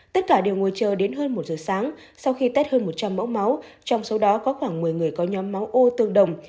tất cả đều ngồi chờ đến hơn một giờ sáng sau khi tết hơn một trăm linh mẫu máu trong số đó có khoảng một mươi người có nhóm máu ô tương đồng